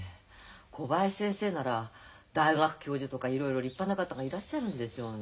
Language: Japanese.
小林先生なら大学教授とかいろいろ立派な方がいらっしゃるんでしょうに。